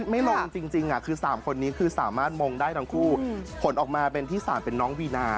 ไม่ลงจริงคือ๓คนนี้คือสามารถมงได้ทั้งคู่ผลออกมาเป็นที่๓เป็นน้องวีนา